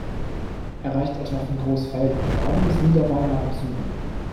Er reicht etwa von Goßfelden im Norden bis Niederweimar im Süden.